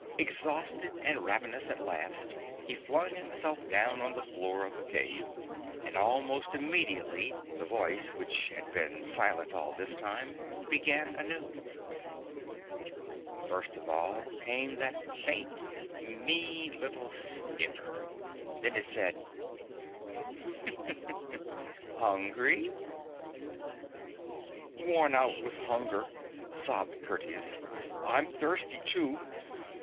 Ex hausted and ravenous, at last he flung himself down on the floor of the cave, and almost immediately the voice, which had been silent all this time, began again. First of all came that faint, mean little snigger ; then it said :* Hungry }'' Worn out with hunger,' sobbed Curtius ;' I'm thirsty, too.